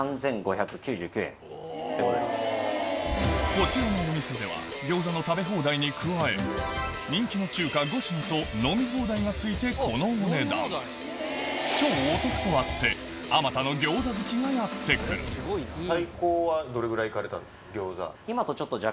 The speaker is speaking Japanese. こちらのお店では餃子の食べ放題に加え人気の中華５品と飲み放題が付いてこのお値段超お得とあってあまたの餃子好きがやって来るちなみに。